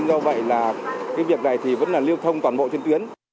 do vậy là cái việc này thì vẫn là lưu thông toàn bộ trên tuyến